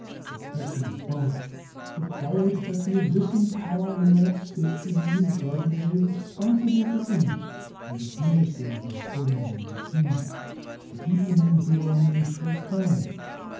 The protection of both required that the existing power in that State should be regarded as a responsible Government, and its minister was accordingly received. But he remained here only a short time.